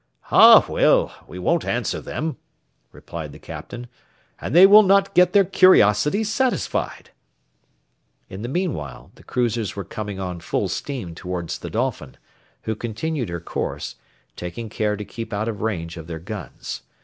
"Ah, well! we won't answer them," replied the Captain, "and they will not get their curiosity satisfied." In the meanwhile the cruisers were coming on full steam towards the Dolphin, who continued her course, taking care to keep out of range of their guns.